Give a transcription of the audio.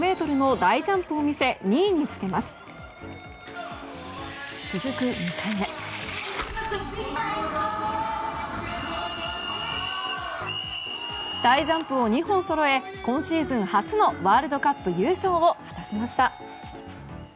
大ジャンプを２本そろえ今シーズン初のワールドカップ優勝を果たしました。